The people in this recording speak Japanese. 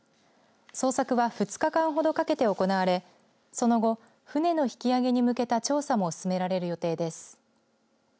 捜索は２日間ほどかけて行われその後、船の引き揚げに向けた調査も進められる予定です。